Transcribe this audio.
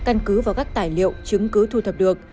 căn cứ và các tài liệu chứng cứ thu thập được